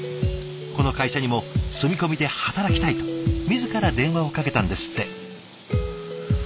この会社にも「住み込みで働きたい」と自ら電話をかけたんですって。